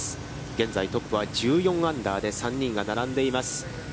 現在トップは１４アンダーで３人が並んでいます。